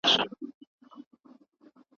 مه پرېږده چي ستا پر ځای بل څوک مقاله ولیکي.